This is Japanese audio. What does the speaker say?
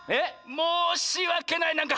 もうしわけない。